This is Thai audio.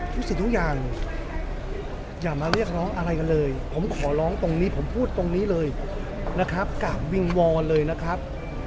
รู้สึกทุกอย่างอย่ามาเรียกร้องอะไรกันเลยผมขอร้องตรงนี้ผมพูดตรงนี้เลยนะครับกราบวิงวอนเลยนะครับ